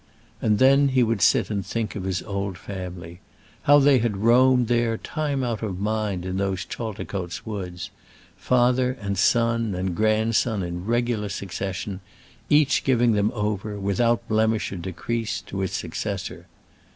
And then he would sit and think of his old family: how they had roamed there time out of mind in those Chaldicotes woods, father and son and grandson in regular succession, each giving them over, without blemish or decrease, to his successor.